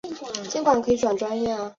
他们来自马里奥系列。